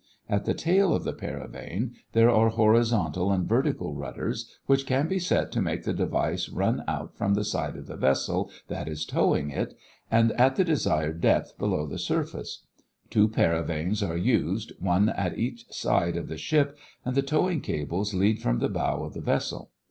At the tail of the paravane, there are horizontal and vertical rudders which can be set to make the device run out from the side of the vessel that is towing it, and at the desired depth below the surface. Two paravanes are used, one at each side of the ship, and the towing cables lead from the bow of the vessel.